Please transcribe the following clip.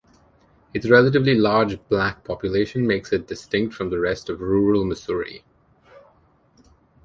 Its relatively large black population makes it distinct from the rest of rural Missouri.